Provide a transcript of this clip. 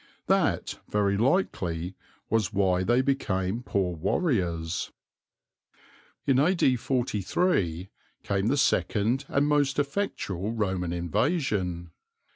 That, very likely, was why they became poor warriors. In A.D. 43 came the second and most effectual Roman invasion.